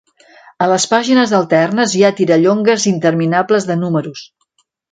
A les pàgines alternes hi ha tirallongues interminables de números.